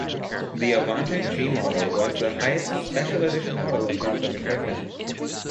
The Avante G model was the highest special edition model in terms of equipment.